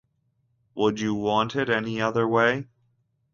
Would you want it any other way?